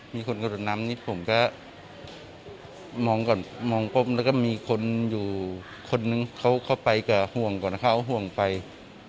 มีคนกระโดดน้ำนี่ผมก็มองก่อนแล้วก็มีคนอยู่คนนึงเขาไปกับห่วงก่อนนะครับ